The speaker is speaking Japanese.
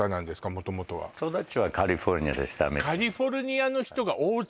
元々は育ちはカリフォルニアでした